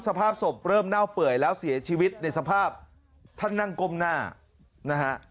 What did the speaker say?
สภาพศพเริ่มเน่าเปื่อยแล้วเสียชีวิตในสภาพท่านนั่งก้มหน้านะฮะ